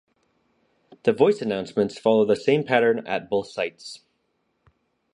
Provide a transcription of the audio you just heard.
The voice announcements follow the same pattern at both sites.